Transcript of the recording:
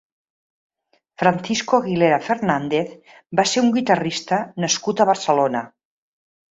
Francisco Aguilera Fernández va ser un guitarrista nascut a Barcelona.